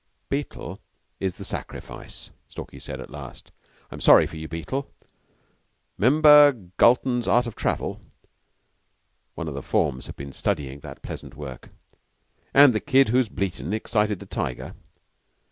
"Beetle is the sacrifice," Stalky said at last, "I'm sorry for you, Beetle. 'Member Galton's 'Art of Travel' [one of the forms had been studying that pleasant work] an' the kid whose bleatin' excited the tiger?"